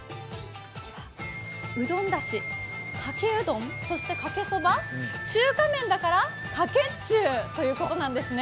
うどんだし、かけうどん、かけそば、中華麺だからかけ中ということなんですね。